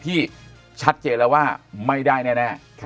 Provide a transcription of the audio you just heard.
ที่ชัดเจนแล้วว่าไม่ได้แน่